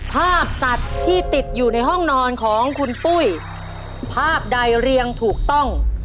ภาพสัตว์ที่ติดอยู่ในห้องนอนของคุณปุ้ยภาพใดเรียงถูกต้อง